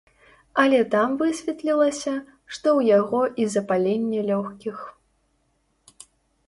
Але там высветлілася, што ў яго і запаленне лёгкіх!